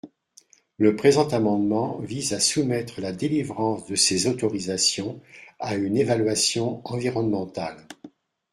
Le présent amendement vise à soumettre la délivrance de ces autorisations à une évaluation environnementale.